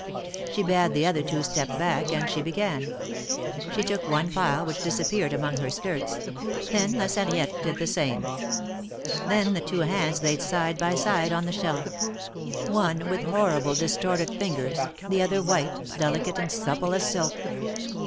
She bade the other two step back, and she began. She took one pile which disappeared among her skirts. Then La Sarriette did the same. Then the two hands laid side by side on the shelf — one with horrible, distorted fingers, the other white, delicate and supple as silk.